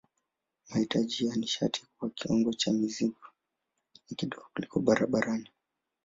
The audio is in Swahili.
Mahitaji ya nishati kwa kiwango cha mzigo ni kidogo kuliko barabarani.